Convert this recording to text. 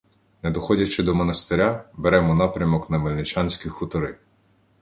Не доходячи до монастиря, беремо напрямок на Мельничанські хутори.